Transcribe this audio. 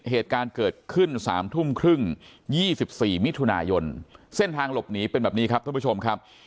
เหตุการณ์เกิดขึ้น๓ทุ่มครึ่ง๒๔มิถุนายนเส้นทางหลบหนีเป็นแบบนี้ครับท่านผู้ชมครับ